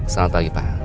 selamat pagi pak